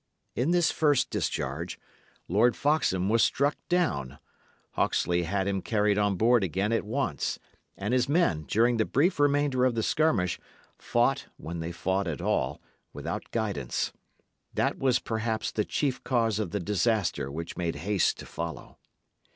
In this first discharge, Lord Foxham was struck down; Hawksley had him carried on board again at once; and his men, during the brief remainder of the skirmish, fought (when they fought at all) without guidance. That was perhaps the chief cause of the disaster which made haste to follow.